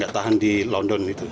tahan di london itu